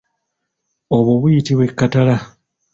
Obwo buyitibwa ekkatala.